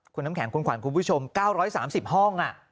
คุณน้ำแข็งคุณขวัญคุณผู้ชม๙๓๐ห้อง